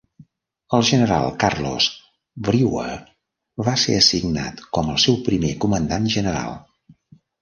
El general Carlos Brewer va ser assignat com el seu primer comandant general.